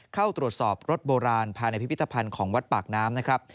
เข้าตรวจสอบรถโบราณภายในพิพิธภัณฑ์ของวัดปากน้ำนะครับ